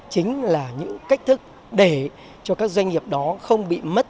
chính là những cách thức để cho các doanh nghiệp đó không bị mất